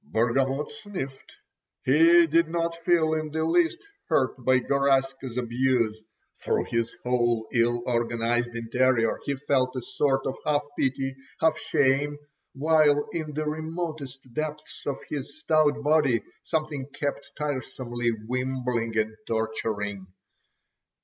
Bargamot sniffed. He did not feel in the least hurt by Garaska's abuse; through his whole ill organized interior he felt a sort of half pity, half shame, while in the remotest depths of his stout body something kept tiresomely wimbling and torturing.